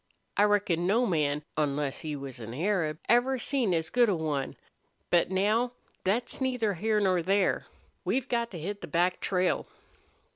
I reckon no man, onless he was an Arab, ever seen as good a one. But now thet's neither here nor there. ... We've got to hit the back trail."